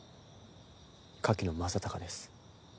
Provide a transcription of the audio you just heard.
柿野正隆です。